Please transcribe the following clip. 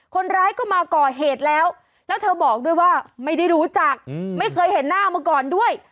คนร้ายก็มาก่อเหตุแล้วแล้วเธอบอกด้วยว่าไม่ได้รู้จักไม่เคยเห็นหน้ามาก่อนด้วย